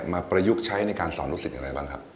มาประยุกต์ใช้ในการสอนรู้สึกอย่างไรบ้างครับ